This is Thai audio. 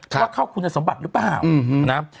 ว่าเข้าคุณสมบัติหรือเปล่านะ